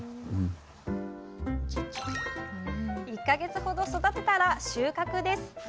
１か月ほど育てたら収穫です。